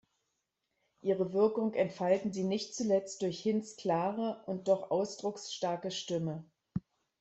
Ihre Wirkung entfalten sie nicht zuletzt durch Hinds' klare und doch ausdrucksstarke Stimme.